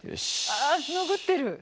ああ拭ってる。